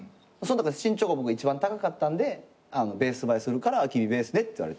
身長が僕一番高かったんで「ベース映えするから君ベースね」って言われて。